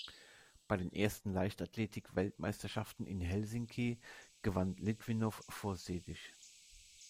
Bei den ersten Leichtathletik-Weltmeisterschaften in Helsinki gewann Litwinow vor Sedych.